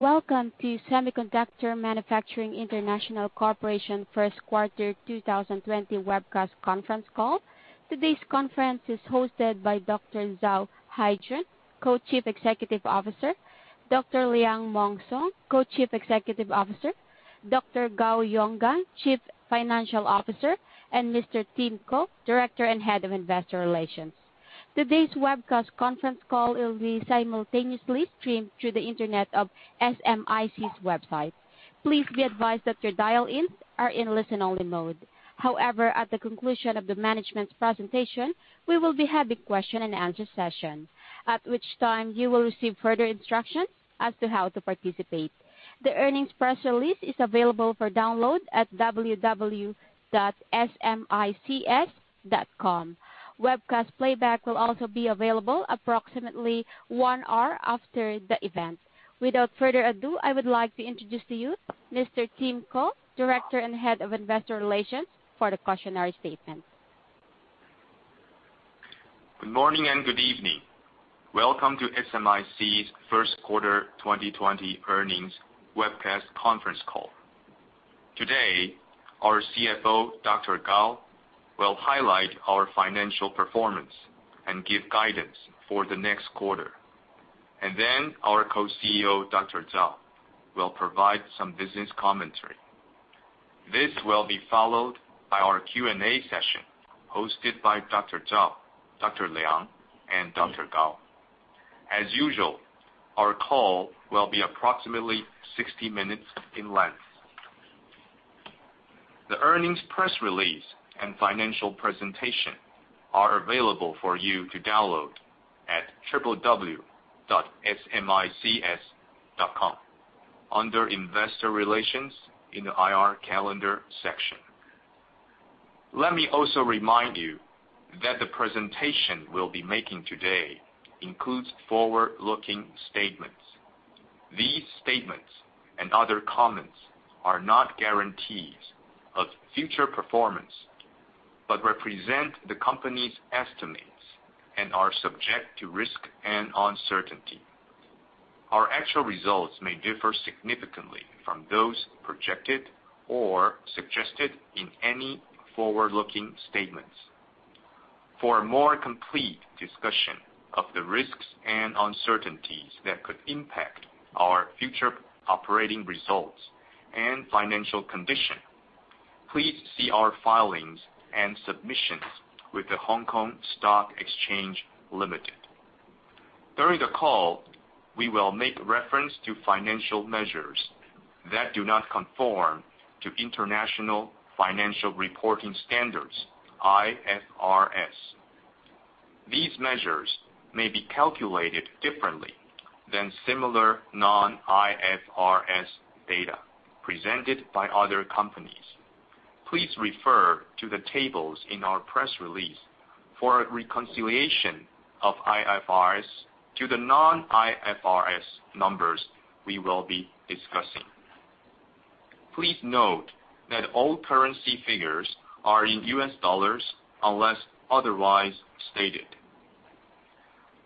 Welcome to Semiconductor Manufacturing International Corporation first quarter 2020 webcast conference call. Today's conference is hosted by Dr. Zhao Haijun, Co-Chief Executive Officer, Dr. Liang Mong Song, Co-Chief Executive Officer, Dr. Gao Yonggang, Chief Financial Officer, and Mr. Tim Kuo, Director and Head of Investor Relations. Today's webcast conference call will be simultaneously streamed through the internet of SMIC's website. Please be advised that your dial-ins are in listen-only mode. However, at the conclusion of the management's presentation, we will be having question and answer session, at which time you will receive further instructions as to how to participate. The earnings press release is available for download at www.smics.com. Webcast playback will also be available approximately one hour after the event. Without further ado, I would like to introduce to you Mr. Tim Kuo, Director and Head of Investor Relations for the cautionary statement. Good morning and good evening. Welcome to SMIC's first quarter 2020 earnings webcast conference call. Today, our CFO, Dr. Gao, will highlight our financial performance and give guidance for the next quarter. Then our co-CEO, Dr. Zhao, will provide some business commentary. This will be followed by our Q&A session hosted by Dr. Zhao, Dr. Liang, and Dr. Gao. As usual, our call will be approximately 60 minutes in length. The earnings press release and financial presentation are available for you to download at www.smics.com under Investor Relations in the IR Calendar section. Let me also remind you that the presentation we'll be making today includes forward-looking statements. These statements and other comments are not guarantees of future performance, but represent the company's estimates and are subject to risk and uncertainty. Our actual results may differ significantly from those projected or suggested in any forward-looking statements. For a more complete discussion of the risks and uncertainties that could impact our future operating results and financial condition, please see our filings and submissions with the Hong Kong Stock Exchange Limited. During the call, we will make reference to financial measures that do not conform to International Financial Reporting Standards, IFRS. These measures may be calculated differently than similar non-IFRS data presented by other companies. Please refer to the tables in our press release for a reconciliation of IFRS to the non-IFRS numbers we will be discussing. Please note that all currency figures are in US dollars, unless otherwise stated.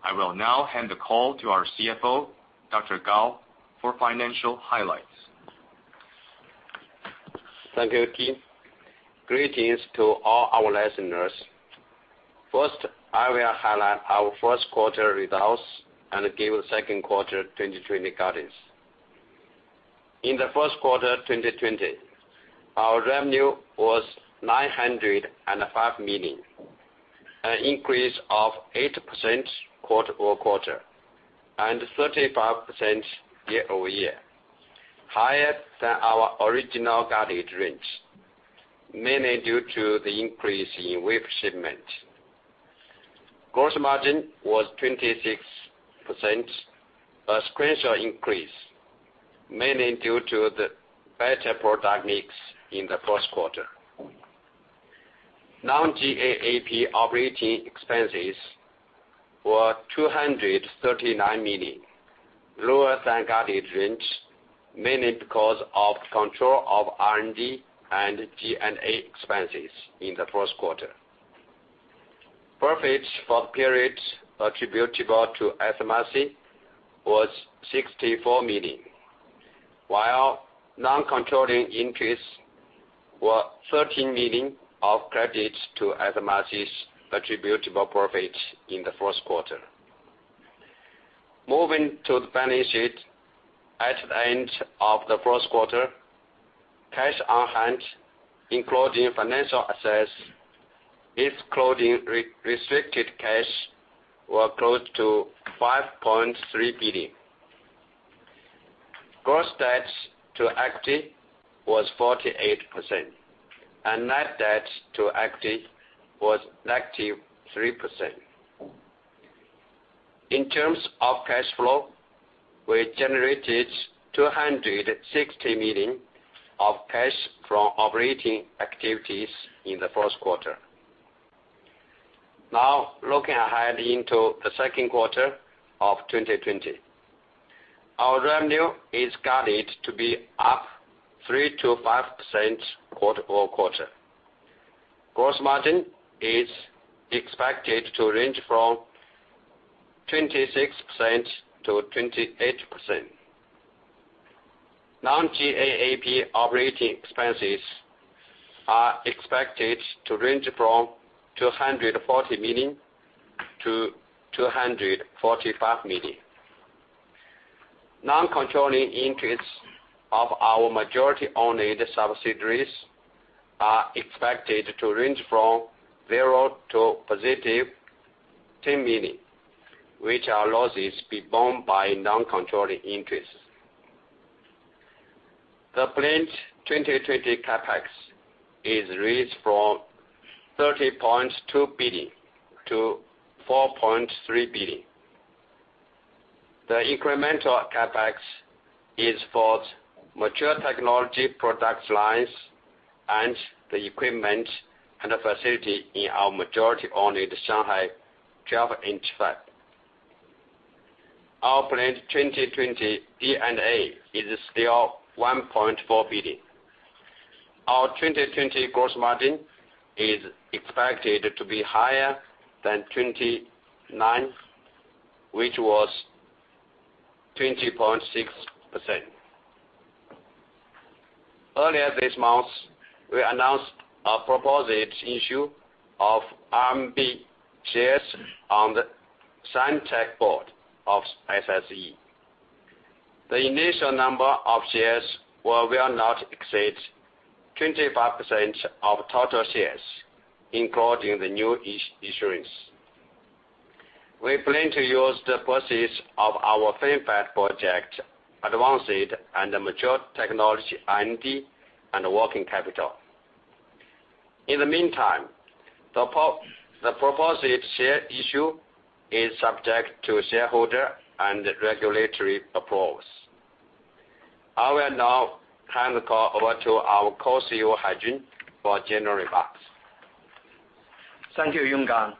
I will now hand the call to our CFO, Dr. Gao, for financial highlights. Thank you, Tim. Greetings to all our listeners. First, I will highlight our first quarter results and give second quarter 2020 guidance. In the first quarter 2020, our revenue was $905 million, an increase of 8% quarter-over-quarter, and 35% year-over-year, higher than our original guidance range, mainly due to the increase in wafer shipment. Gross margin was 26%, a sequential increase, mainly due to the better product mix in the first quarter. Non-GAAP operating expenses were $239 million, lower than guidance range, mainly because of control of R&D and G&A expenses in the first quarter. Profits for the period attributable to SMIC was $64 million, while non-controlling interest was $13 million of credits to SMIC's attributable profits in the first quarter. Moving to the balance sheet. At the end of the first quarter, cash on hand, including financial assets, excluding restricted cash, were close to $5.3 billion. Gross debt to equity was 48%. Net debt to equity was negative 3%. In terms of cash flow, we generated $260 million of cash from operating activities in the first quarter. Looking ahead into the second quarter of 2020. Our revenue is guided to be up 3%-5% quarter-over-quarter. Gross margin is expected to range from 26%-28%. Non-GAAP operating expenses are expected to range from $240 million-$245 million. Non-controlling interests of our majority-owned subsidiaries are expected to range from zero to positive $10 million, which are losses borne by non-controlling interests. The planned 2020 CapEx is ranged from $3.2 billion-$4.3 billion. The incremental CapEx is for mature technology product lines, and the equipment, and the facility in our majority-owned Shanghai 12-inch fab. Our planned 2020 D&A is still $1.4 billion. Our 2020 gross margin is expected to be higher than 2019, which was 20.6%. Earlier this month, we announced a proposed issue of RMB shares on the Sci-Tech Board of SSE. The initial number of shares will not exceed 25% of total shares, including the new issuance. We plan to use the proceeds of our fab project, advanced and mature technology R&D, and working capital. In the meantime, the proposed share issue is subject to shareholder and regulatory approvals. I will now hand the call over to our Co-CEO, Haijun, for general remarks. Thank you, Yonggang.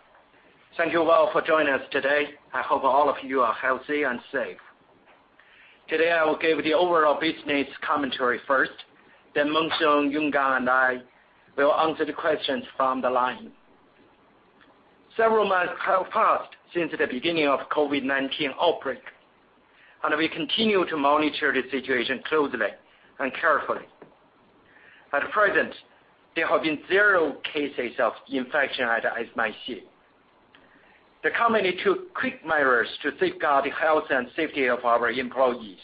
Thank you all for joining us today. I hope all of you are healthy and safe. Today, I will give the overall business commentary first, then Mong Song, Yonggang, and I will answer the questions from the line. Several months have passed since the beginning of COVID-19 outbreak. We continue to monitor the situation closely and carefully. At present, there have been zero cases of infection at SMIC. The company took quick measures to safeguard the health and safety of our employees.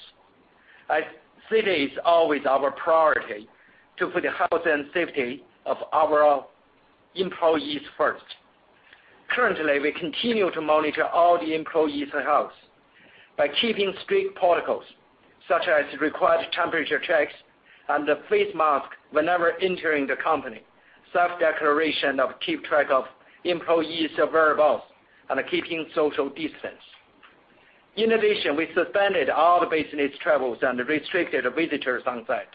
As it is always our priority to put the health and safety of our employees first. Currently, we continue to monitor all the employees' health by keeping strict protocols, such as required temperature checks and a face mask whenever entering the company, self-declaration of keep track of employees' whereabouts, and keeping social distance. In addition, we suspended all the business travels and restricted visitors on site.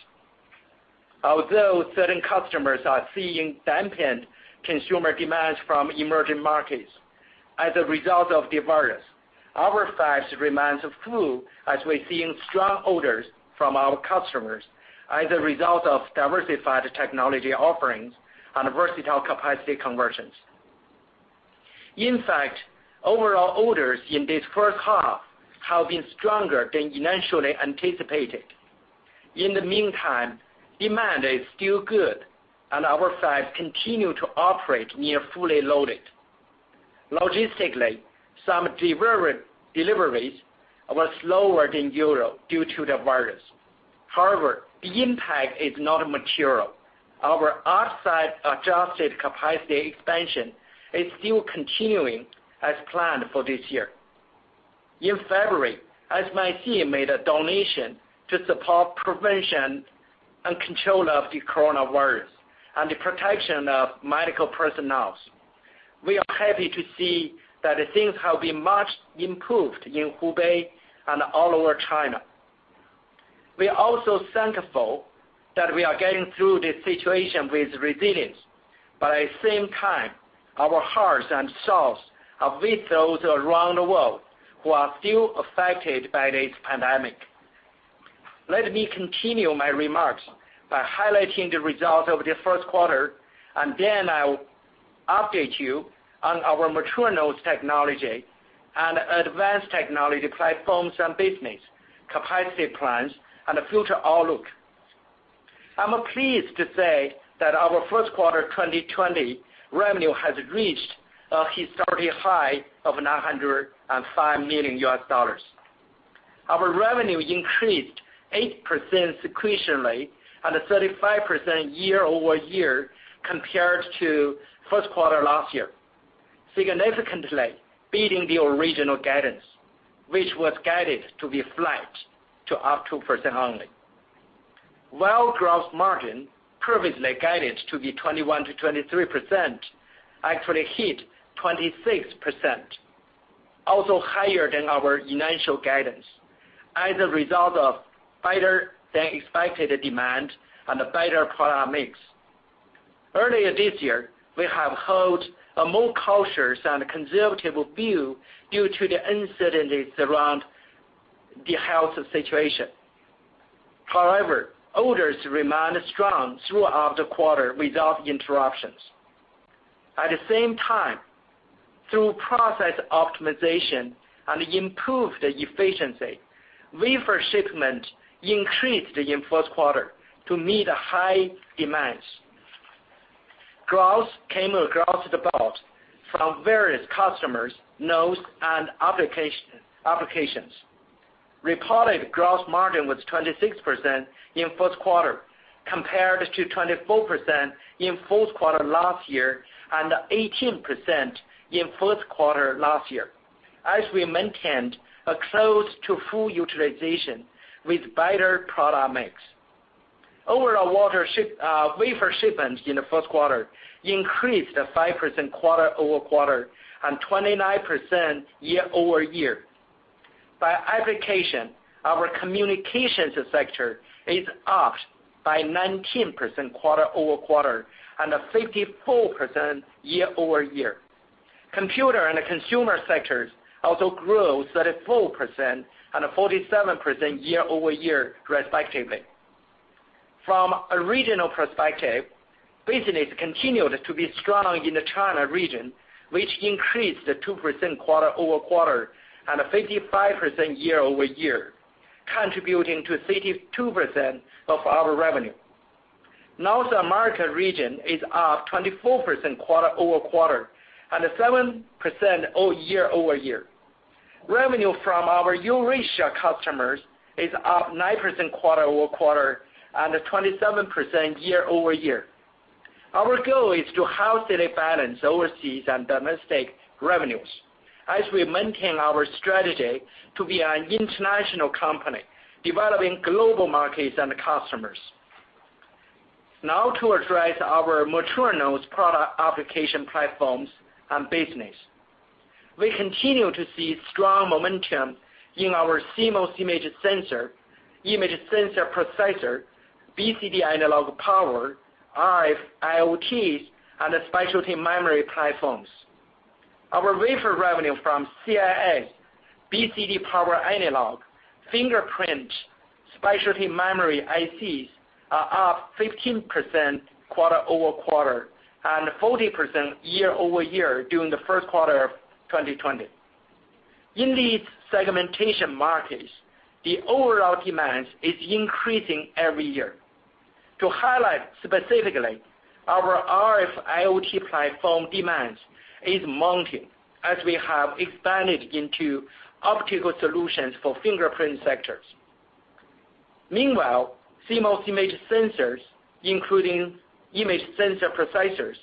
Although certain customers are seeing dampened consumer demands from emerging markets as a result of the virus, our sites remains full as we're seeing strong orders from our customers as a result of diversified technology offerings and versatile capacity conversions. In fact, overall orders in this first half have been stronger than initially anticipated. In the meantime, demand is still good, and our sites continue to operate near fully loaded. Logistically, some deliveries were slower than usual due to the virus. However, the impact is not material. Our offsite adjusted capacity expansion is still continuing as planned for this year. In February, SMIC made a donation to support prevention and control of the coronavirus and the protection of medical personnel. We are happy to see that things have been much improved in Hubei and all over China. We are also thankful that we are getting through this situation with resilience. At the same time, our hearts and souls are with those around the world who are still affected by this pandemic. Let me continue my remarks by highlighting the results of the first quarter, and then I will update you on our mature nodes technology and advanced technology platforms and business, capacity plans, and future outlook. I'm pleased to say that our first quarter 2020 revenue has reached a historically high of $905 million. Our revenue increased 8% sequentially and 35% year-over-year compared to first quarter last year, significantly beating the original guidance, which was guided to be flat to up 2% only. Gross margin, previously guided to be 21%-23%, actually hit 26%, also higher than our initial guidance as a result of better-than-expected demand and better product mix. Earlier this year, we have held a more cautious and conservative view due to the uncertainties around the health situation. However, orders remained strong throughout the quarter without interruptions. At the same time, through process optimization and improved efficiency, wafer shipments increased in Q1 to meet high demands. Growth came across the board from various customers, nodes, and applications. Reported gross margin was 26% in Q1, compared to 24% in Q4 last year and 18% in Q1 last year, as we maintained a close to full utilization with better product mix. Overall wafer shipments in Q1 increased 5% quarter-over-quarter and 29% year-over-year. By application, our communications sector is up by 19% quarter-over-quarter and 54% year-over-year. Computer and consumer sectors also grew 34% and 47% year-over-year respectively. From a regional perspective, business continued to be strong in the China region, which increased 2% quarter-over-quarter and 55% year-over-year, contributing to 32% of our revenue. North America region is up 24% quarter-over-quarter and 7% year-over-year. Revenue from our Eurasia customers is up 9% quarter-over-quarter and 27% year-over-year. Our goal is to healthy balance overseas and domestic revenues as we maintain our strategy to be an international company, developing global markets and customers. To address our mature nodes product application platforms and business. We continue to see strong momentum in our CMOS image sensor, image sensor processor, BCD analog power, RF, IoT, and specialty memory platforms. Our wafer revenue from CIS, BCD power analog, fingerprint, specialty memory ICs are up 15% quarter-over-quarter and 40% year-over-year during the first quarter of 2020. In these segmentation markets, the overall demand is increasing every year. To highlight specifically, our RF IoT platform demands is mounting as we have expanded into optical solutions for fingerprint sectors. Meanwhile, CMOS image sensor, including image sensor processors,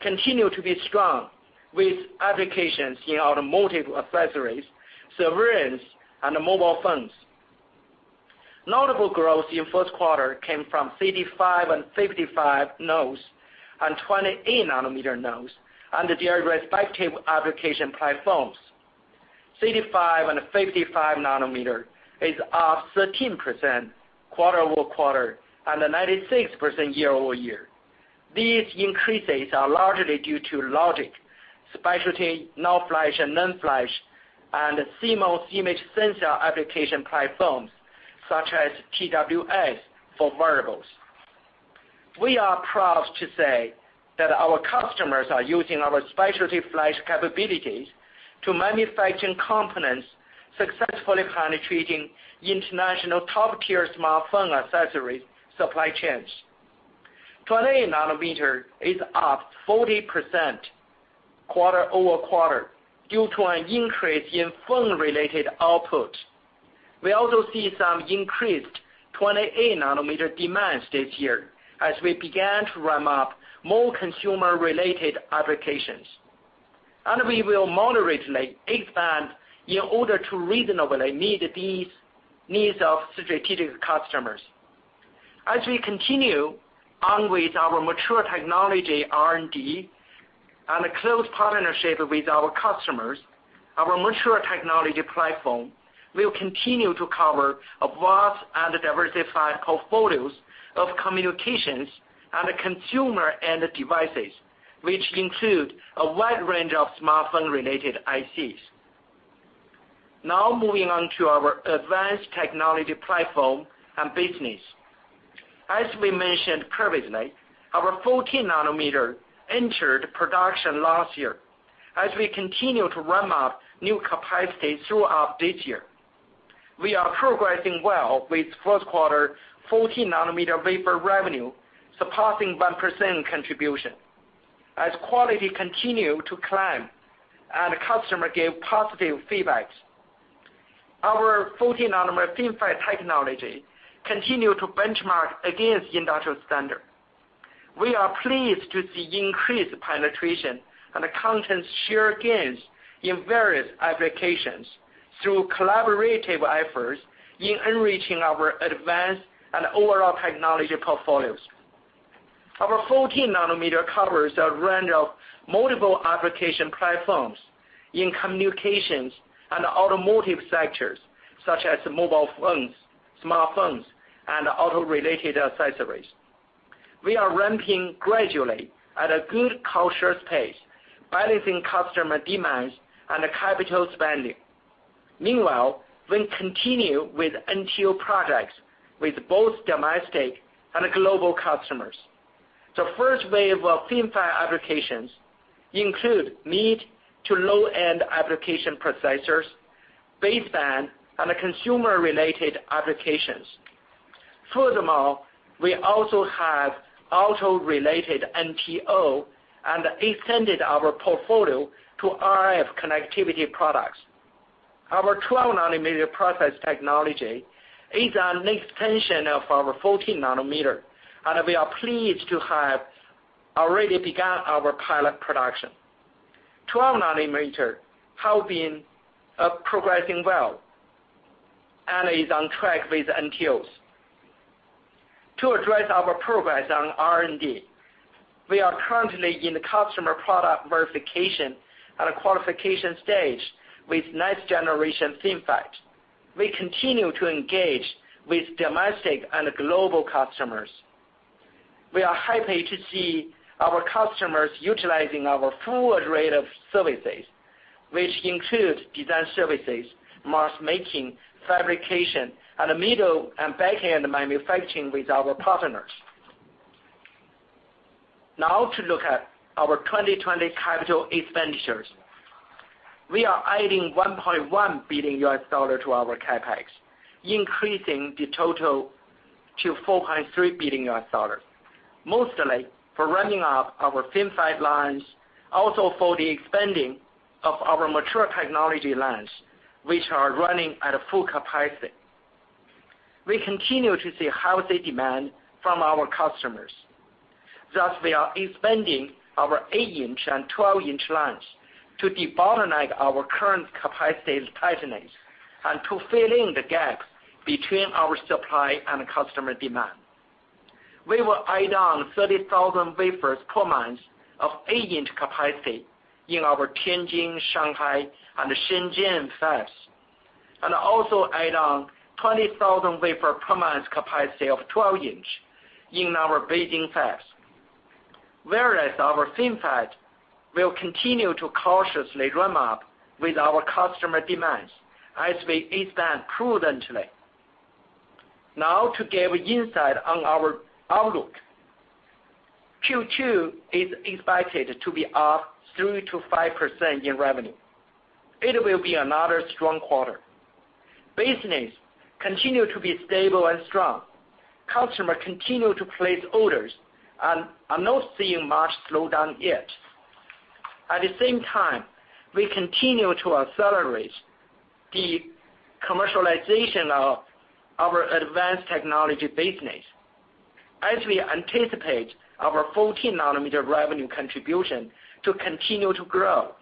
continue to be strong with applications in automotive accessories, surveillance, and mobile phones. Notable growth in Q1 came from 65 and 55 nanometer nodes and 28-nanometer nodes under their respective application platforms. 65 and 55 nanometer is up 13% quarter-over-quarter and 96% year-over-year. These increases are largely due to logic, specialty, NOR flash and NAND flash, and CMOS image sensor application platforms, such as TWS for wearables. We are proud to say that our customers are using our specialty flash capabilities to manufacture components, successfully penetrating international top-tier smartphone accessory supply chains. 28 nanometer is up 40% quarter-over-quarter due to an increase in phone-related output. We also see some increased 28-nanometer demands this year as we began to ramp up more consumer-related applications. We will moderately expand in order to reasonably meet these needs of strategic customers. As we continue on with our mature technology R&D and a close partnership with our customers, our mature technology platform will continue to cover a vast and diversified portfolios of communications and consumer end devices, which include a wide range of smartphone-related ICs. Now moving on to our advanced technology platform and business. As we mentioned previously, our 14-nanometer entered production last year as we continue to ramp up new capacity throughout this year. We are progressing well with Q1 14-nanometer wafer revenue surpassing 1% contribution as quality continued to climb and customer gave positive feedbacks. Our 14-nanometer FinFET technology continued to benchmark against the industrial standard. We are pleased to see increased penetration and content share gains in various applications through collaborative efforts in enriching our advanced and overall technology portfolios. Our 14-nanometer covers a range of multiple application platforms in communications and automotive sectors, such as mobile phones, smartphones, and auto-related accessories. We are ramping gradually at a good, cautious pace, balancing customer demands and capital spending. Meanwhile, we continue with NTO products with both domestic and global customers. The first wave of FinFET applications include mid- to low-end application processors, baseband, and consumer-related applications. Furthermore, we also have auto-related NTO and extended our portfolio to RF connectivity products. Our 12-nanometer process technology is an extension of our 14-nanometer, and we are pleased to have already begun our pilot production. 12-nanometer have been progressing well and is on track with NTOs. To address our progress on R&D, we are currently in the customer product verification at a qualification stage with next generation FinFET. We continue to engage with domestic and global customers. We are happy to see our customers utilizing our full array of services, which include design services, mask-making, fabrication, and middle and back-end manufacturing with our partners. Now to look at our 2020 capital expenditures. We are adding $1.1 billion to our CapEx, increasing the total to $4.3 billion, mostly for ramping up our FinFET lines, also for the expanding of our mature technology lines, which are running at a full capacity. We continue to see healthy demand from our customers. Thus, we are expanding our 8-inch and 12-inch lines to de-bottleneck our current capacity tightness and to fill in the gaps between our supply and customer demand. We will add on 30,000 wafers per month of 8-inch capacity in our Tianjin, Shanghai, and Shenzhen fabs, and also add on 20,000 wafer per month capacity of 12-inch in our Beijing fabs. Our FinFET will continue to cautiously ramp up with our customer demands as we expand prudently. To give insight on our outlook. Q2 is expected to be up 3%-5% in revenue. It will be another strong quarter. Business continue to be stable and strong. Customer continue to place orders and are not seeing much slowdown yet. We continue to accelerate the commercialization of our advanced technology business as we anticipate our 14-nanometer revenue contribution to continue to grow.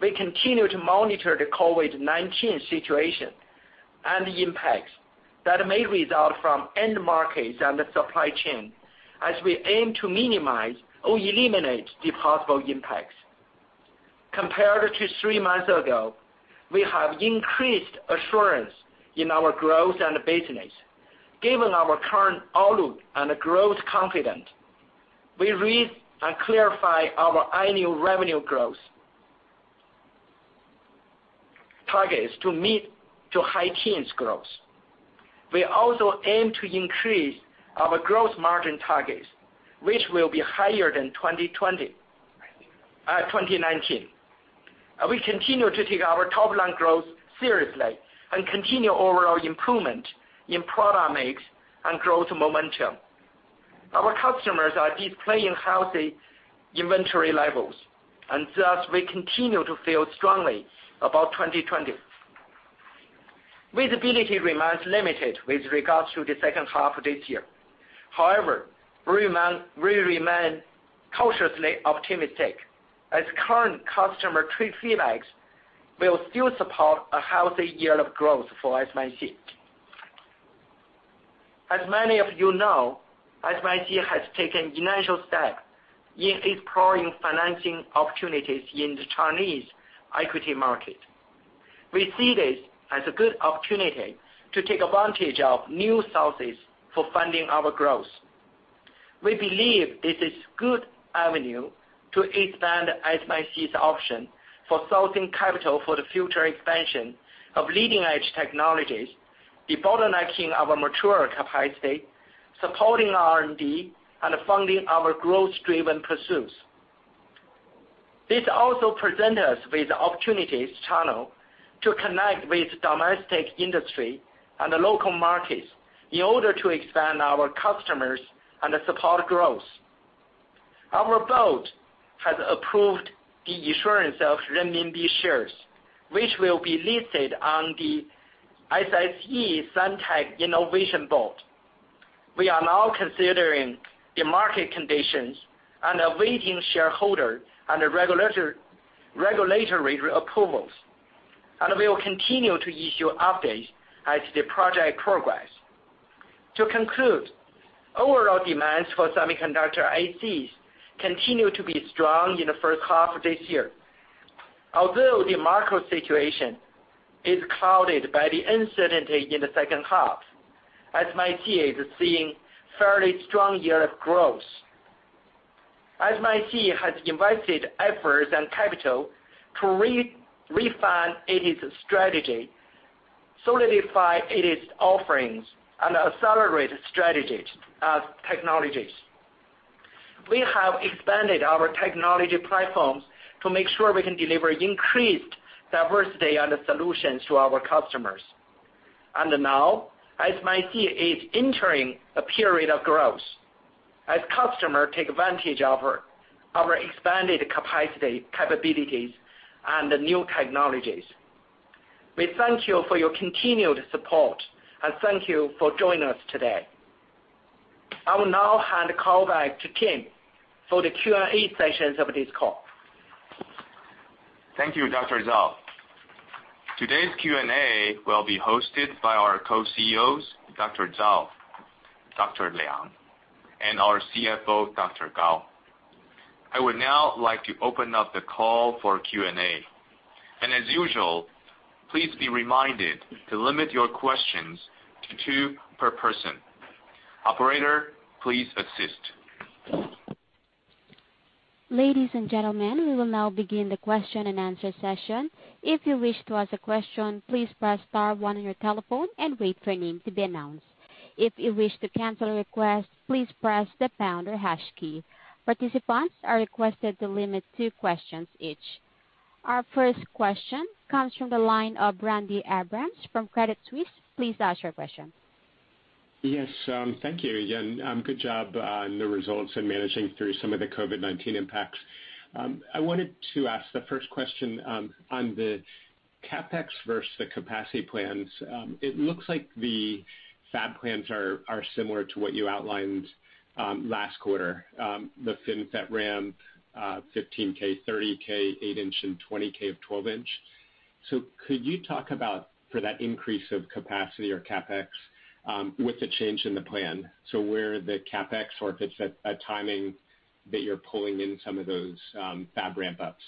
We continue to monitor the COVID-19 situation and the impacts that may result from end markets and the supply chain as we aim to minimize or eliminate the possible impacts. Compared to three months ago, we have increased assurance in our growth and business. Given our current outlook and growth confidence, we raise and clarify our annual revenue growth targets to mid to high teens growth. We also aim to increase our gross margin targets, which will be higher than 2019. We continue to take our top-line growth seriously and continue overall improvement in product mix and growth momentum. Our customers are displaying healthy inventory levels, and thus we continue to feel strongly about 2020. Visibility remains limited with regards to the second half of this year. However, we remain cautiously optimistic as current customer feedback will still support a healthy year of growth for SMIC. As many of you know, SMIC has taken initial steps in exploring financing opportunities in the Chinese equity market. We see this as a good opportunity to take advantage of new sources for funding our growth. We believe this is good avenue to expand SMIC's option for sourcing capital for the future expansion of leading-edge technologies, debottlenecking our mature capacity, supporting R&D, and funding our growth-driven pursuits. This also present us with opportunities channel to connect with domestic industry and local markets in order to expand our customers and support growth. Our board has approved the issuance of renminbi shares, which will be listed on the SSE Sci-Tech Innovation Board. We are now considering the market conditions and awaiting shareholder and regulatory approvals, we will continue to issue updates as the project progress. To conclude, overall demands for semiconductor ICs continue to be strong in the first half of this year. Although the macro situation is clouded by the uncertainty in the second half, SMIC is seeing fairly strong year-over-year growth. SMIC has invested efforts and capital to refine its strategy, solidify its offerings, and accelerate technologies. We have expanded our technology platforms to make sure we can deliver increased diversity and solutions to our customers. Now SMIC is entering a period of growth as customers take advantage of our expanded capacity, capabilities, and new technologies. We thank you for your continued support, and thank you for joining us today. I will now hand the call back to Tim for the Q&A sessions of this call. Thank you, Dr. Zhao. Today's Q&A will be hosted by our co-CEOs, Dr. Zhao, Dr. Liang, and our CFO, Dr. Gao. I would now like to open up the call for Q&A. As usual, please be reminded to limit your questions to two per person. Operator, please assist. Ladies and gentlemen, we will now begin the question and answer session. If you wish to ask a question, please press star one on your telephone and wait for your name to be announced. If you wish to cancel a request, please press the pound or hash key. Participants are requested to limit two questions each. Our first question comes from the line of Randy Abrams from Credit Suisse. Please ask your question. Yes. Thank you. Again, good job on the results and managing through some of the COVID-19 impacts. I wanted to ask the first question on the CapEx versus the capacity plans. It looks like the fab plans are similar to what you outlined last quarter. The FinFET ramp, 15,000, 30,000, 8-inch and 20,000 of 12-inch. Could you talk about for that increase of capacity or CapEx, with the change in the plan, so where the CapEx, or if it's a timing that you're pulling in some of those fab ramp-ups?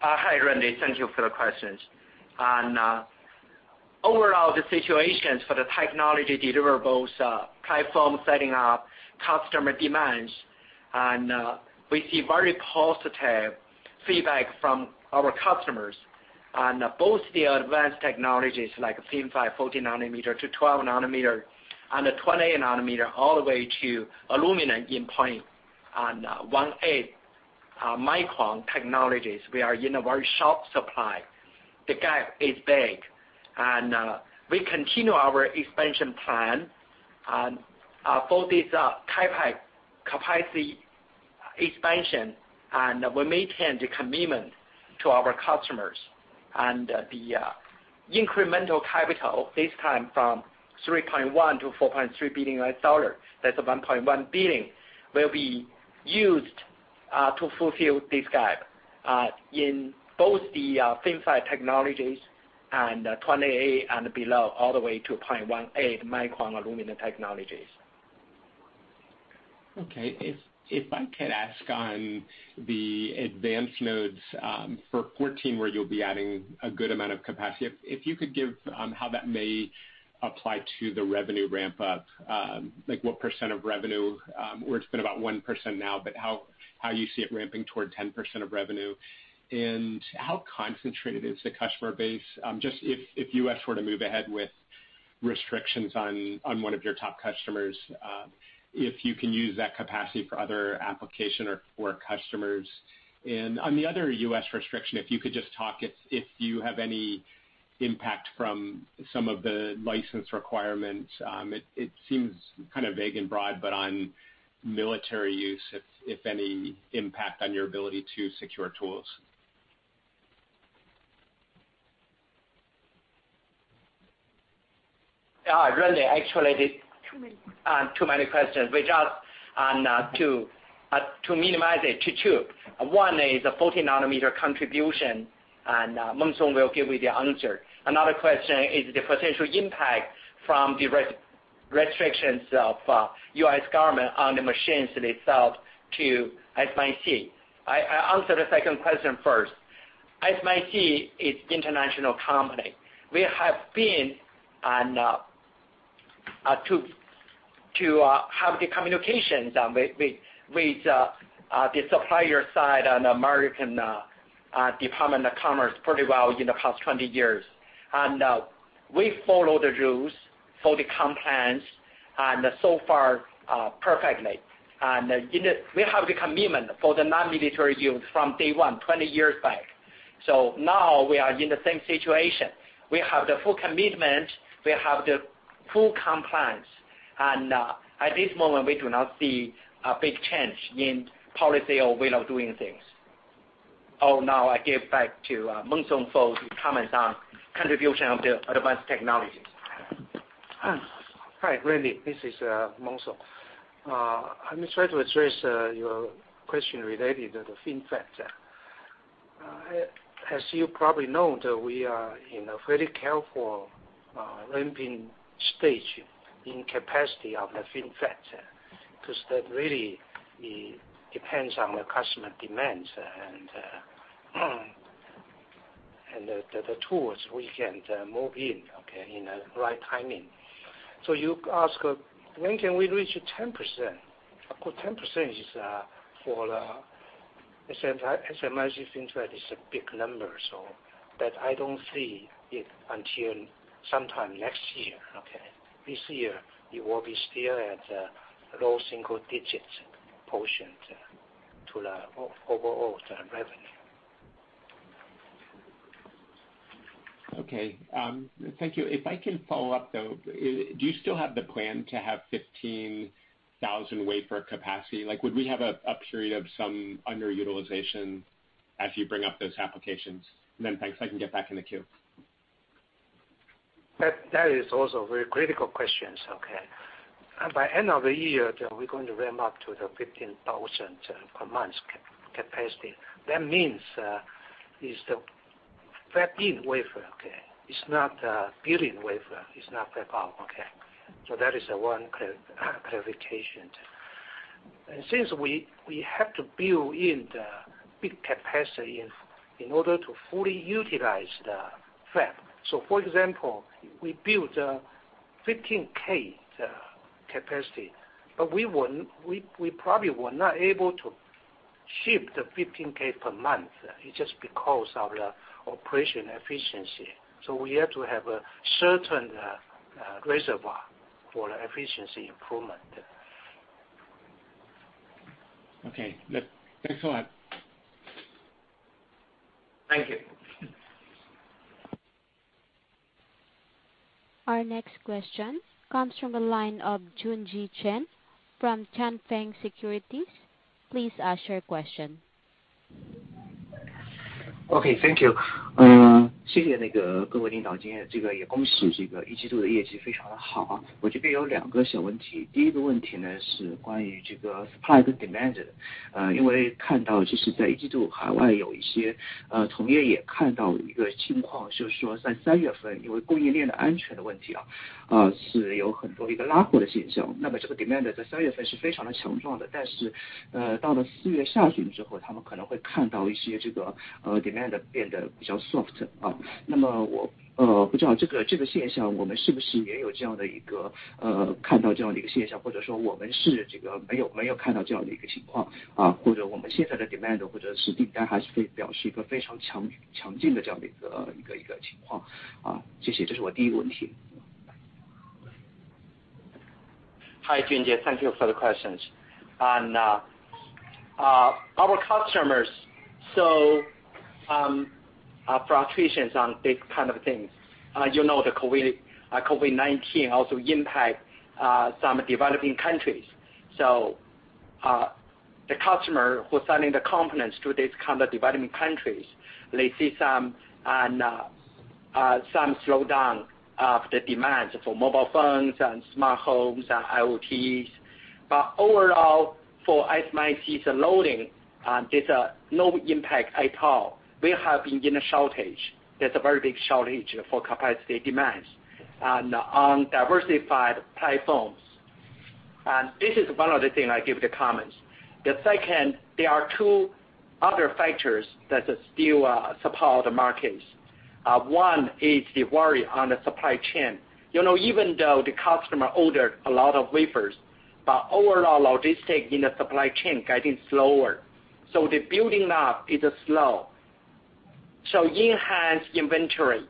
Hi, Randy. Thank you for the question. On overall the situations for the technology deliverables, platform setting up, customer demands, we see very positive feedback from our customers on both the advanced technologies like FinFET, 14 nanometer to 12 nanometer, and the 28 nanometer, all the way to aluminum endpoint on 0.18 micron technologies. We are in a very sharp supply. The gap is big. We continue our expansion plan for this capacity expansion, we maintain the commitment to our customers. The incremental capital, this time from $3.1 billion-$4.3 billion, that's $1.1 billion, will be used to fulfill this gap in both the FinFET technologies and 28 and below, all the way to 0.18 μm aluminum technologies. Okay. If I could ask on the advanced nodes, for 14 nm, where you'll be adding a good amount of capacity. If you could give how that may apply to the revenue ramp-up. Like what % of revenue, where it's been about 1% now, but how you see it ramping toward 10% of revenue. How concentrated is the customer base? Just if U.S. were to move ahead with restrictions on one of your top customers, if you can use that capacity for other application or for customers. On the other U.S. restriction, if you could just talk if you have any impact from some of the license requirements. It seems kind of vague and broad, but on military use, if any impact on your ability to secure tools. Randy. Too many. too many questions. We try to minimize it to two. One is the 14 nm contribution, and Mong Song will give you the answer. Another question is the potential impact from the restrictions of U.S. government on the machines that they sold to SMIC. I answer the second question first. SMIC is international company. We have been, to have the communications with the supplier side on U.S. Department of Commerce pretty well in the past 20 years. We follow the rules for the compliance, and so far perfectly. We have the commitment for the non-military use from day one, 20 years back. Now we are in the same situation. We have the full commitment. We have the full compliance. At this moment, we do not see a big change in policy or way of doing things. Now I give back to Mong Song for the comments on contribution of the advanced technologies. Hi, Randy. This is Mong Song. Let me try to address your question related to the FinFET. As you probably know, we are in a very careful ramping stage in capacity of the fab because that really depends on the customer demands and the tools we can move in, okay, in the right timing. You ask, when can we reach 10%? 10% is, for SMIC fab is a big number. That I don't see it until sometime next year. Okay. This year it will be still at low single digits portion to the overall revenue. Okay. Thank you. If I can follow up, though, do you still have the plan to have 15,000 wafer capacity? Would we have a period of some underutilization as you bring up those applications? Thanks, I can get back in the queue. That is also very critical questions, okay. By end of the year, we're going to ramp up to the 15,000 per month capacity. That means is the fab in wafer, okay? It's not building wafer. It's not fab up, okay? That is one clarification. Since we have to build in the big capacity in order to fully utilize the fab. For example, we build 15K capacity, but we probably were not able to ship the 15K per month, it's just because of the operation efficiency. We have to have a certain reservoir for efficiency improvement. Okay. Thanks a lot. Thank you. Our next question comes from the line of Junjie Chen from Tianfeng Securities. Please ask your question. Okay. Thank you. Hi, Junjie. Thank you for the questions. On our customers, fluctuations on these kind of things. You know the COVID-19 also impact some developing countries. The customer who are sending the components to these kind of developing countries, they see some slowdown of the demands for mobile phones and smart homes and IoTs. Overall, for SMIC, the loading, there's no impact at all. We have been in a shortage. There's a very big shortage for capacity demands and on diversified platforms. This is one of the thing I give the comments. The second, there are two other factors that still support the markets. One is the worry on the supply chain. You know even though the customer ordered a lot of wafers, overall logistics in the supply chain getting slower. The building up is slow. Enhanced inventory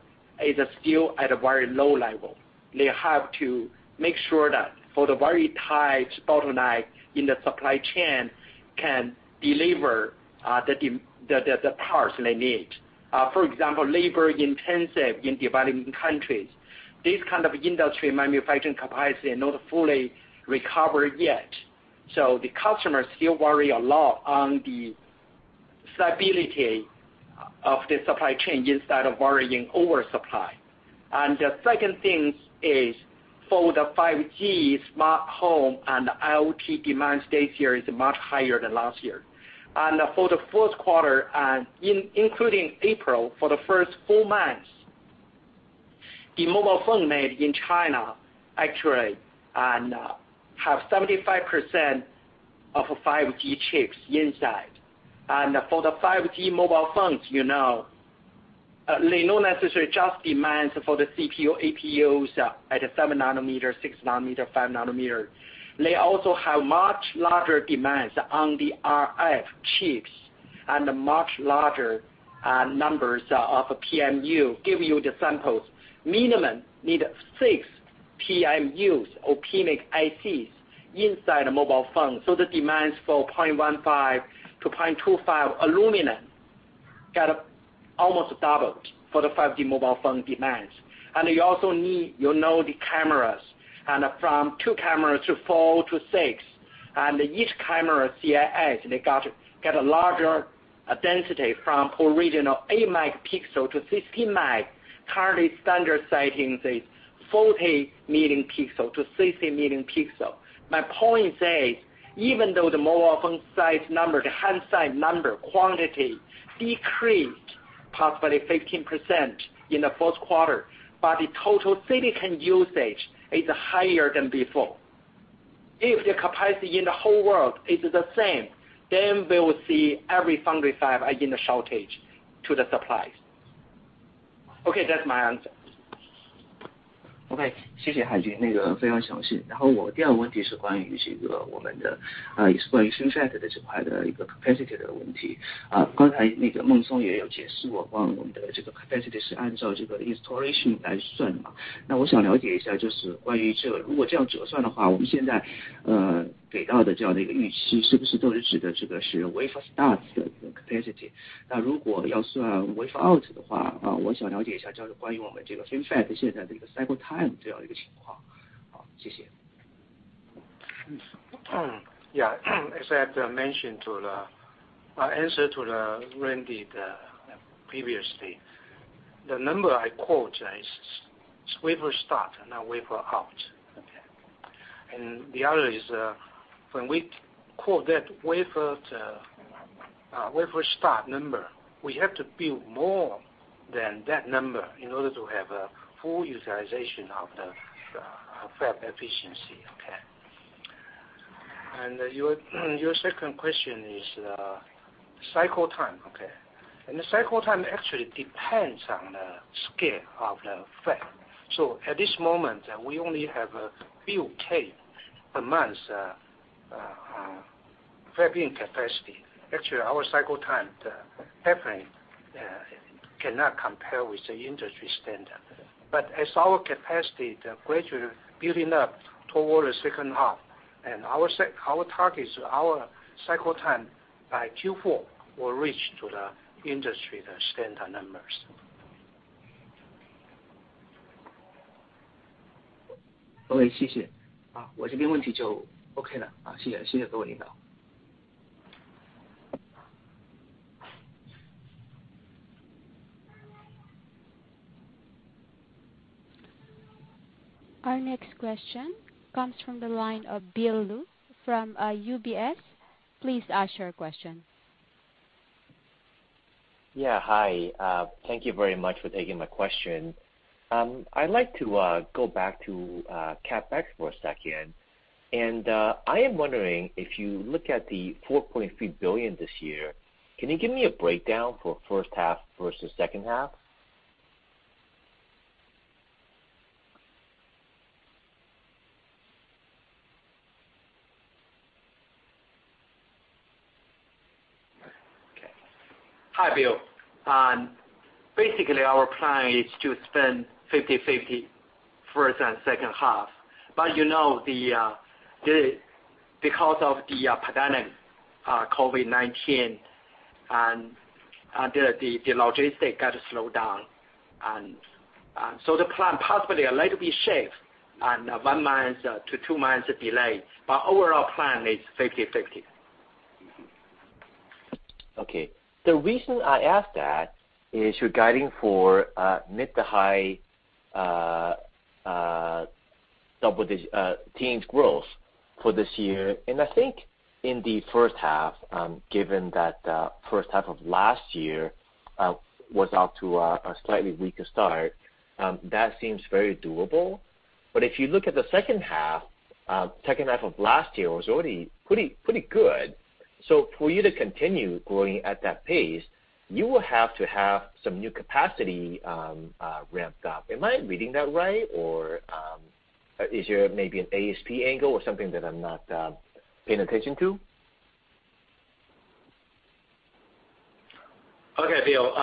is still at a very low level. They have to make sure that for the very tight bottleneck in the supply chain can deliver the parts they need. For example, labor-intensive in developing countries. This kind of industry manufacturing capacity not fully recovered yet. The customers still worry a lot on the stability of the supply chain instead of worrying oversupply. The second thing is for the 5G smart home and IoT demand this year is much higher than last year. For the first quarter, and including April, for the first 4 months, the mobile phone made in China actually have 75% of 5G chips inside. For the 5G mobile phones, they not necessarily just demand for the CPU, APUs at a 7 nm, 6 nm, 5 nm. They also have much larger demands on the RF chips and much larger numbers of PMU. Give you the samples. Minimum need six PMUs or PMIC ICs inside a mobile phone. The demands for 0.15 to 0.25 aluminum got almost doubled for the 5G mobile phone demands. You also need the cameras. From two cameras to four to six. Each camera CIS, they got larger density from original eight megapixel to 16 meg. Currently standard setting the 40 million pixel to 60 million pixel. My point is, even though the mobile phone size number, the hand set number, quantity decreased Possibly 15% in the fourth quarter, but the total silicon usage is higher than before. If the capacity in the whole world is the same, then we will see every foundry fab are in the shortage to the suppliers. Okay, that's my answer. Okay. Thank you, Haijun. Very thorough. My second question is about our thin fab capacity. Earlier, Mong Song also explained that our capacity is calculated based on installation. I want to understand, if calculated this way, does the forecast we're giving now refer to wafer start capacity? If we were to calculate wafer out, I'd like to know about our current thin fab cycle time situation. Thank you. Yeah. As I have mentioned I answered to Randy previously. The number I quote is wafer start, not wafer out. Okay. The other is, when we quote that wafer start number, we have to build more than that number in order to have a full utilization of the fab efficiency. Okay? Your second question is cycle time. Okay. The cycle time actually depends on the scale of the fab. At this moment, we only have a few K a month fab in capacity. Actually, our cycle time definitely cannot compare with the industry standard. As our capacity gradually building up toward the second half, and our target is our cycle time by Q4 will reach to the industry, the standard numbers. Okay, thank you. That's it for my questions. Thank you, leaders. Our next question comes from the line of Bill Lu from UBS. Please ask your question. Yeah. Hi. Thank you very much for taking my question. I'd like to go back to CapEx for a second. I am wondering, if you look at the $4.3 billion this year, can you give me a breakdown for first half versus second half? Okay. Hi, Bill. Basically, our plan is to spend 50/50 first and second half. You know, because of the pandemic, COVID-19, and the logistic got slowed down. The plan possibly a little bit shift and one month to two months delay, but overall plan is 50/50. Okay. The reason I ask that is you're guiding for mid to high double-digit teens growth for this year. I think in the first half, given that the first half of last year was off to a slightly weaker start, that seems very doable. If you look at the second half, second half of last year was already pretty good. For you to continue growing at that pace, you will have to have some new capacity ramped up. Am I reading that right? Is there maybe an ASP angle or something that I'm not paying attention to? Okay, Bill.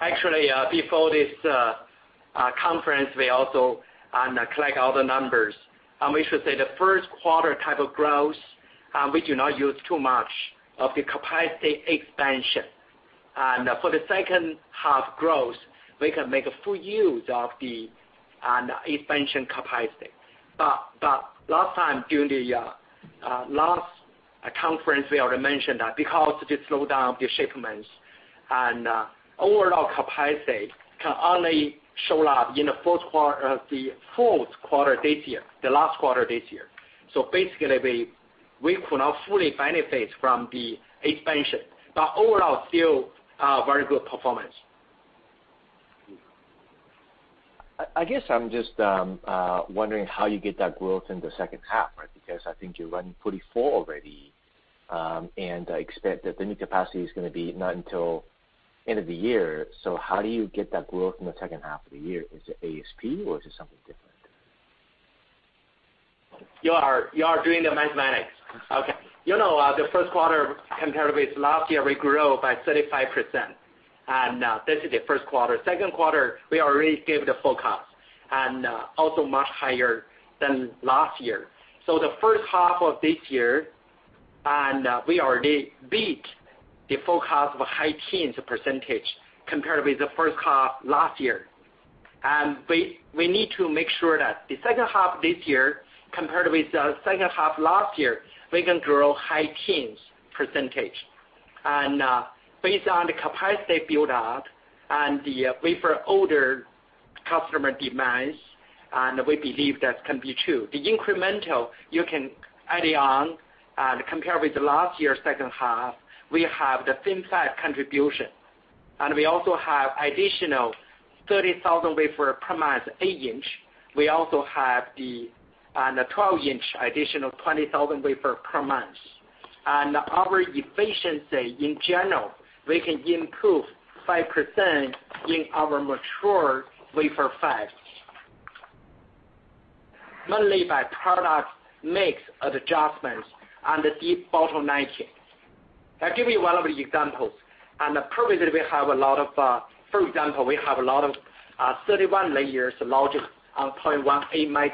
Actually, before this conference, we also collect all the numbers. We should say the first quarter type of growth, we do not use too much of the capacity expansion. For the second half growth, we can make a full use of the expansion capacity. Last time, during the last conference, we already mentioned that because the slowdown of the shipments and overall capacity can only show up in the fourth quarter this year, the last quarter this year. Basically, we could not fully benefit from the expansion, but overall still a very good performance. I guess I'm just wondering how you get that growth in the second half, right? I think you're running pretty full already. I expect that the new capacity is going to be not until end of the year. How do you get that growth in the second half of the year? Is it ASP or is it something different? You are doing the mathematics. Okay. You know, the first quarter compared with last year, we grew by 35%. This is the first quarter. Second quarter, we already gave the forecast and also much higher than last year. The first half of this year, we already beat the forecast of a high teens percentage compared with the first half last year. We need to make sure that the second half this year, compared with the second half last year, we can grow high teens percentage. Based on the capacity build-out and the wafer order Customer demands. We believe that can be true. The incremental you can add on, compare with the last year's second half, we have the FinFET contribution. We also have additional 30,000 wafer per month, 8-inch. We also have on the 12-inch, additional 20,000 wafer per month. Our efficiency in general, we can improve 5% in our mature wafer fab. Mainly by product mix adjustments and de-bottlenecking. I give you one of the examples. Probably, for example, we have a lot of 31 layers logic on 0.18 μm.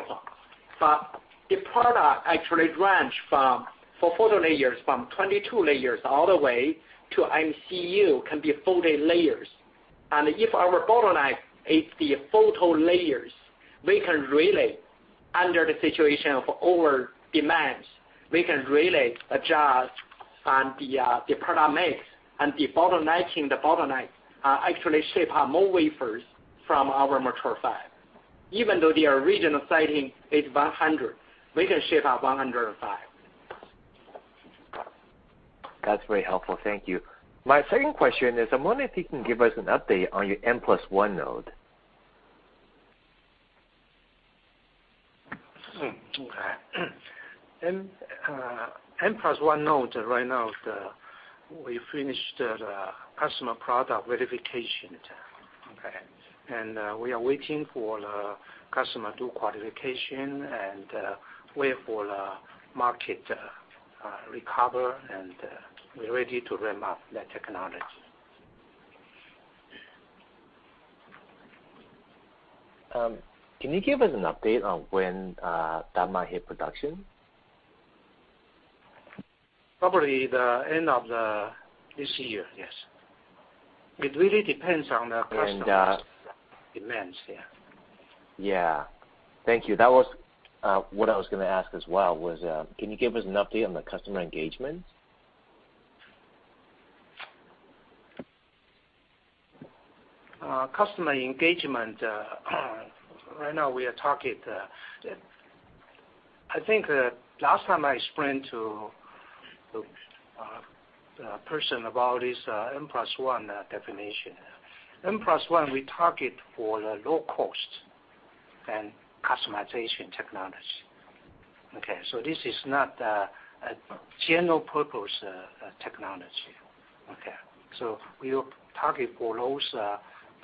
The product actually range for photo layers from 22 layers all the way to MCU can be 40 layers. If our bottleneck hits the photo layers, under the situation of over demands, we can really adjust on the product mix and de-bottlenecking. The bottleneck actually ship out more wafers from our mature fab. Even though their original citing is 100, we can ship out 105. That's very helpful. Thank you. My second question is, I wonder if you can give us an update on your N+1 node. N+1 node right now, we finished the customer product verification. Okay. We are waiting for the customer to qualification and wait for market recover, and we're ready to ramp up that technology. Can you give us an update on when that might hit production? Probably the end of this year, yes. It really depends on the customer's demands. Yeah. Yeah. Thank you. That was what I was going to ask as well, was can you give us an update on the customer engagement? Customer engagement, right now we are target I think last time I explained to the person about is N+1 definition. N+1, we target for the low cost and customization technology. Okay, this is not a general purpose technology. Okay. We will target for those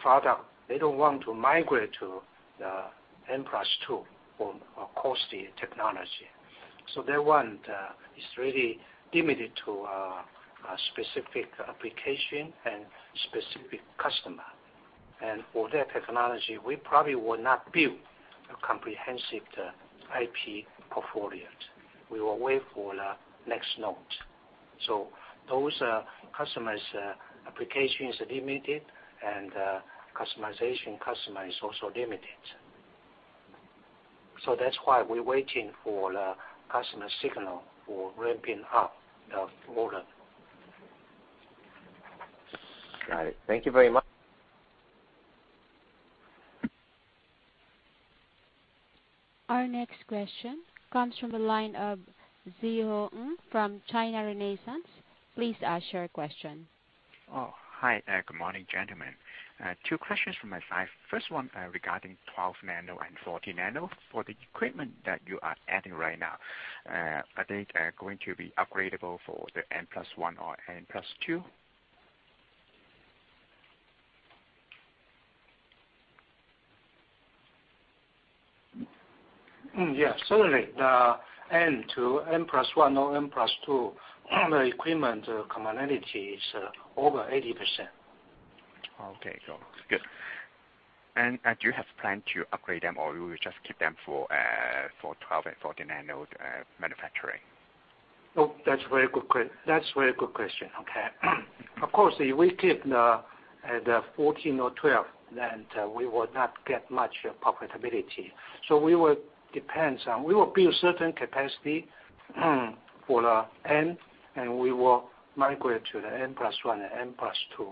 product, they don't want to migrate to the N+2 for cost technology. They want is really limited to a specific application and specific customer. For that technology, we probably will not build a comprehensive IP portfolio. We will wait for the next node. Those customers applications are limited, and customization customer is also limited. That's why we're waiting for the customer signal for ramping up the product. Got it. Thank you very much. Our next question comes from the line of Zhi Hong from China Renaissance. Please ask your question. Oh, hi. Good morning, gentlemen. Two questions from my side. First one regarding 12 nm and 14 nm. For the equipment that you are adding right now, are they going to be upgradeable for the N+1 or N+2? Yes. Certainly, the N to N+1 or N+2, all the equipment commonality is over 80%. Okay, cool. Good. Do you have plan to upgrade them, or you will just keep them for 12 and 14 nano manufacturing? That's a very good question. Of course, if we keep the 14 or 12, we would not get much profitability. We will build certain capacity for the N, and we will migrate to the N+1 and N+2,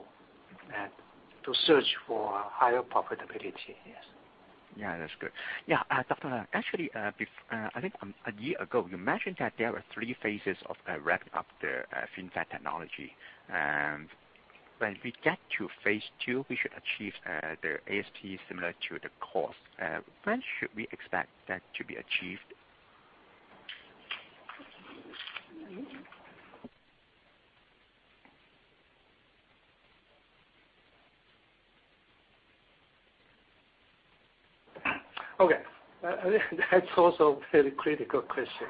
and to search for higher profitability. Yes. Yeah. That's good. Yeah. Dr. Liang, actually, I think a year ago, you mentioned that there were three phases of a ramp up the FinFET technology. When we get to phase 2, we should achieve the ASP similar to the cost. When should we expect that to be achieved? Okay. That's also very critical question.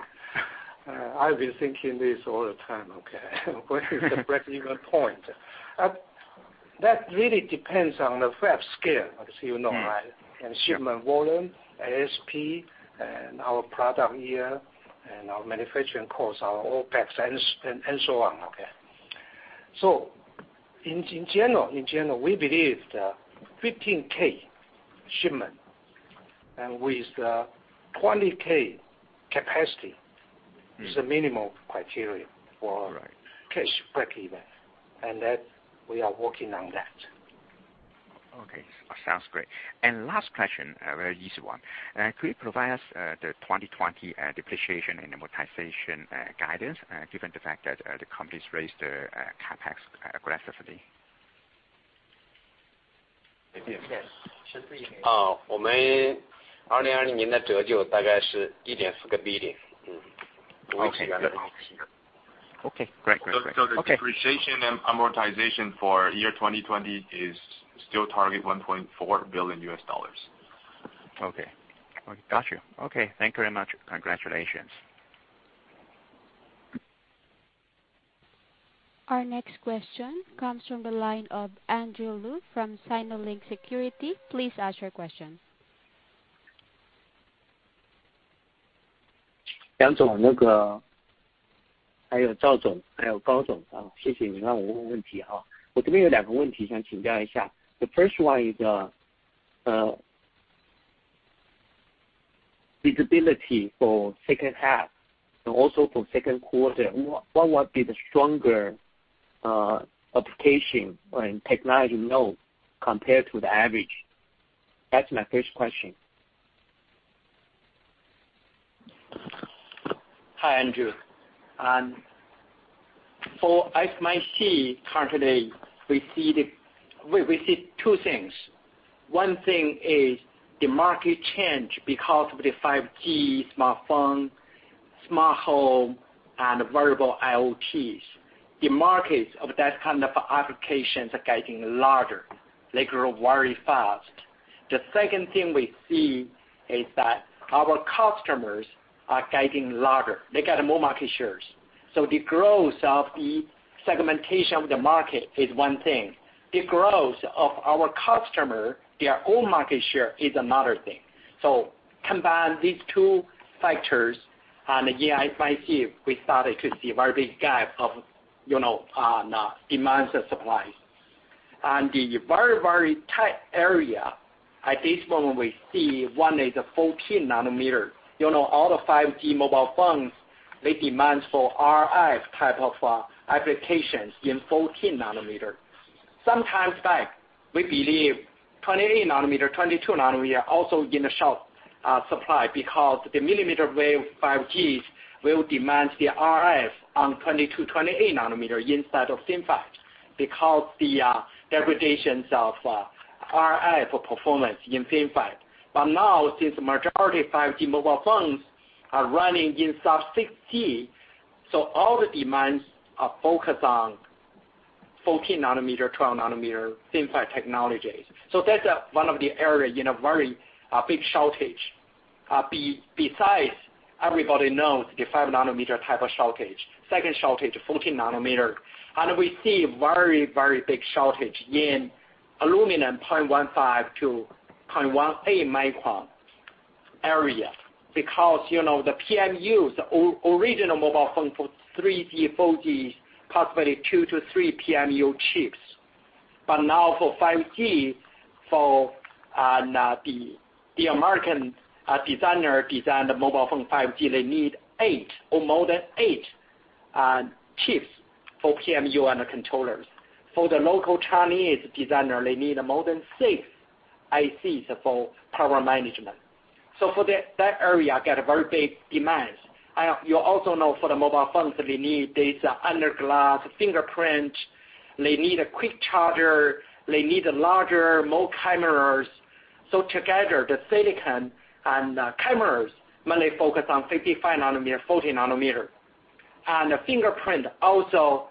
I've been thinking this all the time, okay? When is the break even point? That really depends on the fab scale, as you know, right? Shipment volume, ASP, and our product yield, and our manufacturing costs, our OpEx, and so on. Okay. In general, we believe the 15K shipment With the 20,000 capacity is the minimum criteria for. Right cash breakeven. That we are working on that. Okay. Sounds great. Last question, a very easy one. Could you provide us the 2020 depreciation and amortization guidance, given the fact that the company's raised their CapEx aggressively? Yes. We see that amount here. Okay, great. The depreciation and amortization for year 2020 is still target $1.4 billion. Okay. Got you. Okay. Thank you very much. Congratulations. Our next question comes from the line of Andrew Lu from Sinolink Securities. Please ask your question. Andrew Lu. The first one is visibility for second half and also for second quarter, what would be the stronger application and technology node compared to the average? That's my first question. Hi, Andrew. For SMIC, currently, we see two things. One thing is the market change because of the 5G smartphone, smart home, and wearable IoTs. The markets of that kind of applications are getting larger. They grow very fast. The second thing we see is that our customers are getting larger. They get more market shares. The growth of the segmentation of the market is one thing. The growth of our customer, their own market share, is another thing. Combine these two factors, and yeah, at SMIC, we thought it could be a very big gap of demands and supplies. The very tight area at this moment we see one is the 14 nanometer. All the 5G mobile phones, they demand for RF type of applications in 14 nanometer. Sometimes back, we believe 28 nm, 22 nm are also in a short supply because the millimeter wave 5G will demand the RF on 22, 28 nm inside of FinFET because the degradations of RF performance in FinFET. Now, since the majority of 5G mobile phones are running in sub-6 GHz, all the demands are focused on 14 nm, 12 nm FinFET technologies. That's one of the areas in a very big shortage. Besides, everybody knows the 5 nm type of shortage. Second shortage, 14 nm. We see a very big shortage in aluminum 0.15 to 0.18 micron area. Because the PMUs, the original mobile phone for 3G, 4G, possibly two to three PMU chips. Now for 5G, for the American designer designed the mobile phone 5G, they need eight or more than eight chips for PMU and the controllers. For the local Chinese designer, they need more than six ICs for power management. For that area, got a very big demand. You also know for the mobile phones, they need this under glass fingerprint. They need a quick charger. They need larger, more cameras. Together, the silicon and the cameras mainly focus on 55 nm, 40 nm. The fingerprint also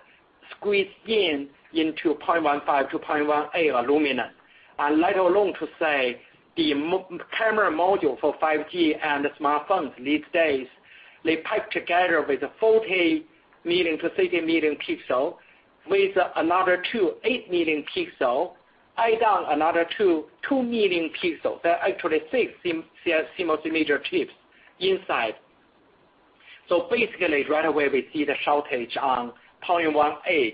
squeezed in into 0.15 to 0.18 aluminum. Let alone to say the camera module for 5G and the smartphones these days, they pipe together with a 40 million to 60 million pixel with another two 8 million pixel, add on another two 2 million pixel. There are actually six CMOS image chips inside. Basically, right away, we see the shortage on 0.18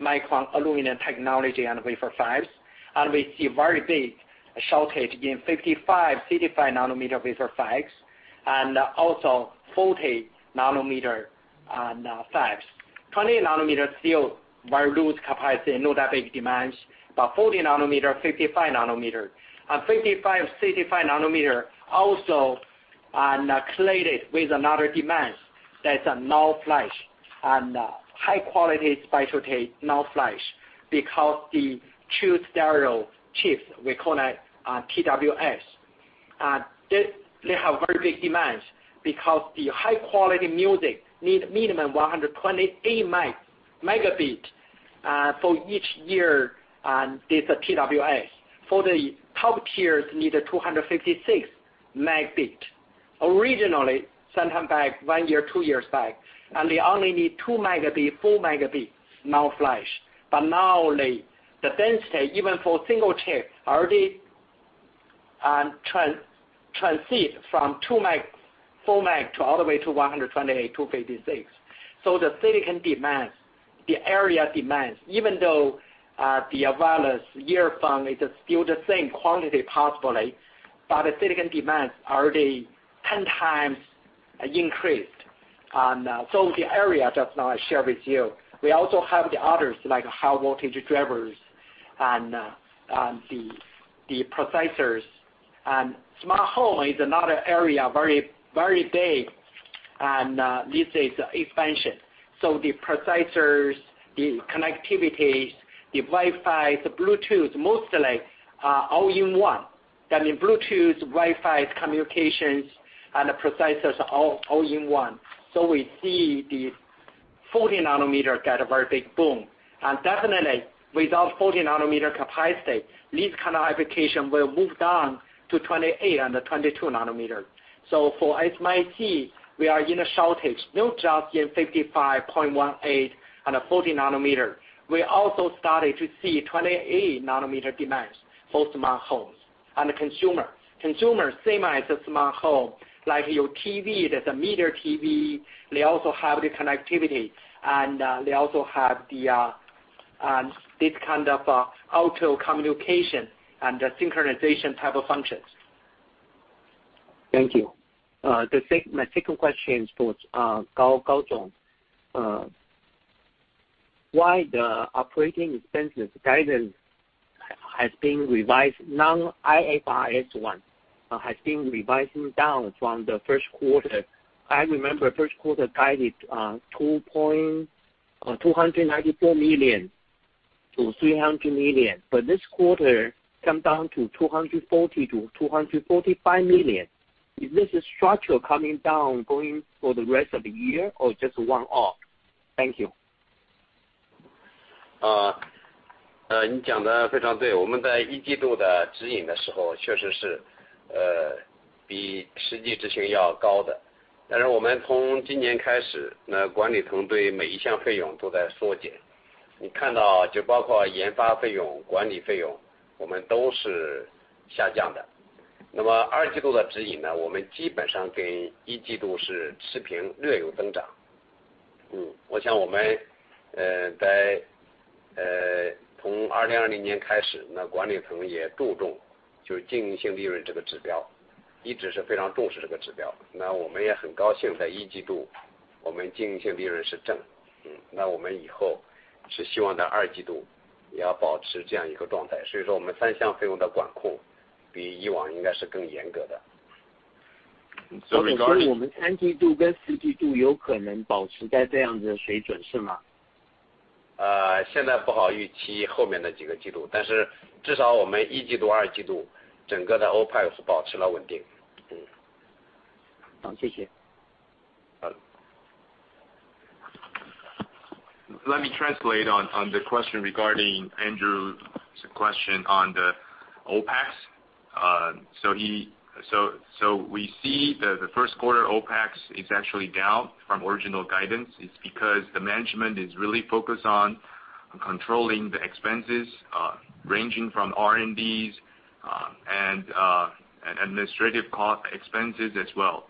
micron aluminum technology and wafer fabs, and we see very big shortage in 55 nm, 65 nm wafer fabs, and also 40 nm fabs. 20 nm still very loose capacity, not that big demand. 40 nm, 55 nm, and 55 nm, 65 nm also correlated with another demand. That's a NAND flash, and high quality SPI NOR NAND flash because the two stereo chips, we call it TWS. They have very big demands because the high-quality music need minimum 128 megabit for each ear this TWS. For the top tiers need a 256 megabit. Originally, sometime back, one year, two years back, they only need 2 megabit, 4 megabits NAND flash. Now, the density, even for single chip, already transit from 2 meg-format all the way to 128, 256. The silicon demands, the area demands, even though the available earphone is still the same quantity possibly, but the silicon demands are 10 times increased. The area just now I shared with you. We also have the others, like high voltage drivers and the processors. Smart home is another area, very big, and this is expansion. The processors, the connectivities, the Wi-Fi, the Bluetooth, mostly are all in one. That means Bluetooth, Wi-Fi, communications, and the processors are all in one. We see the 40 nanometer get a very big boom. Definitely without 40 nanometer capacity, this kind of application will move down to 28 and 22 nanometers. For SMIC, we are in a shortage, not just in 55, 0.18, and 40 nanometer. We also started to see 28 nanometer demands for smart homes and consumer. Consumer, same as the smart home, like your TV, there's a smart TV. They also have the connectivity and they also have this kind of auto communication and synchronization type of functions. Thank you. My second question is for Gao. Why the operating expenses guidance has been revised non-IFRS, has been revising down from the first quarter? I remember first quarter guided $294 million-$300 million, but this quarter come down to $240 million-$245 million. Is this a structure coming down going for the rest of the year or just a one-off? Thank you. You got it very right. When we guided in Q1, it was indeed higher than the actual execution. Starting this year, the management team has been reducing every expense. You can see that including R&D expenses and management expenses, all of them are down. For Q2 guidance, we basically maintained it flat to slightly up from Q1. I think since 2020, the management team has also focused on operating profit as a KPI, and has always placed great importance on this KPI. We are also very happy that our operating profit in Q1 was positive. We hope to maintain this state in Q2 as well. Our control over the three expenses should be stricter than before. So- It is possible for Q3 and Q4 to maintain this level, right? It is hard to predict the following quarters, but at least Q1 and Q2, the overall OPEX has been stable. Thank you. Okay. Let me translate on the question regarding Andrew's question on the OPEX. We see the first quarter OPEX is actually down from original guidance. It's because the management is really focused on controlling the expenses, ranging from R&D and administrative expenses as well.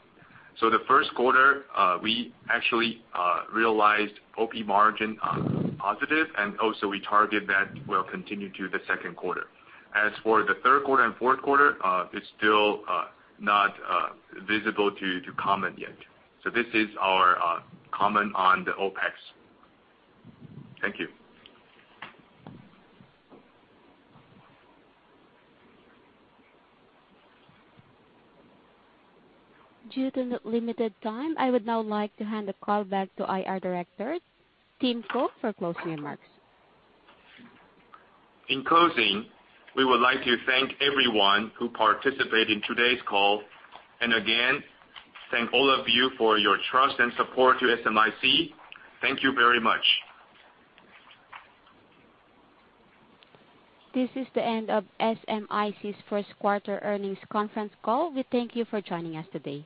The first quarter, we actually realized Operating Margin positive, and also we target that will continue to the second quarter. For the third quarter and fourth quarter, it's still not visible to comment yet. This is our comment on the OPEX. Thank you. Due to limited time, I would now like to hand the call back to IR Director, Tim Kuo, for closing remarks. In closing, we would like to thank everyone who participated in today's call, and again, thank all of you for your trust and support to SMIC. Thank you very much. This is the end of SMIC's first quarter earnings conference call. We thank you for joining us today.